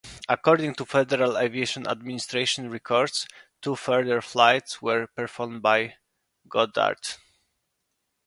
According to Federal Aviation Administration records, two further flights were performed by "Goddard".